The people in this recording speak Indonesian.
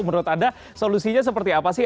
menurut anda solusinya seperti apa sih